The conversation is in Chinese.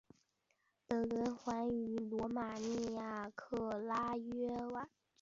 本循环于罗马尼亚克拉约瓦举行。